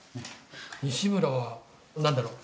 西村は何だろ。